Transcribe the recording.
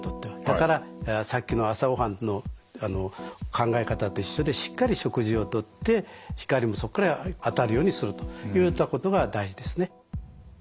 だからさっきの朝ごはんの考え方と一緒でしっかり食事をとって光もそこから当たるようにするといったことが大事ですね。